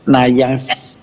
nah yang tujuh